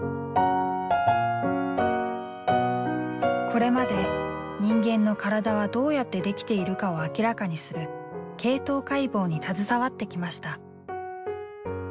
これまで人間の体はどうやってできているかを明らかにする「系統解剖」に携わってきました。